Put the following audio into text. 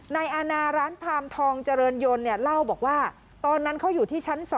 นายอาณาร้านพามทองเจริญยนต์เนี่ยเล่าบอกว่าตอนนั้นเขาอยู่ที่ชั้น๒